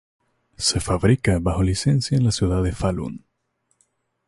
Se fabrica bajo licencia en la ciudad de Falun.